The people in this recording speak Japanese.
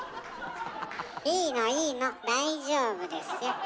いいのいいの大丈夫ですよ。